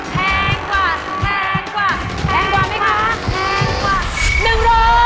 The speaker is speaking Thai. แพงกว่าแพงกว่าแพงกว่าแพงกว่าแพงกว่า